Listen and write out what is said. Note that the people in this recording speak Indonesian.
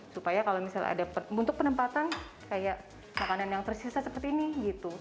supaya kalau misalnya ada untuk penempatan kayak makanan yang tersisa seperti ini gitu